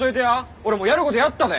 俺もうやることやったで。